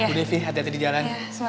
bu devi hati hati di jalan